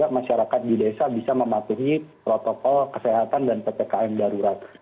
masyarakat di desa bisa mematuhi protokol kesehatan dan ppkm darurat